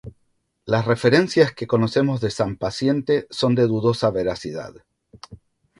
Las referencias que conocemos de San Paciente son de dudosa veracidad.